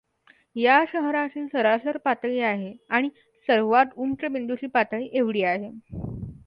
या शहराची सरासरी पातळी आहे आणि सर्वांत उंच बिंदूची पातळी एवढी आहे.